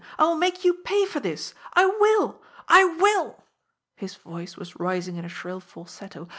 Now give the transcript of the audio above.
I will make you pay for this! I will! I will!" His voice was rising in a shrill falsetto.